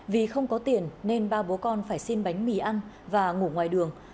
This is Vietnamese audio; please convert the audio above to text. vì không có tiền nên ba bố con phải xin bánh mì ăn và ngủ ngoài đường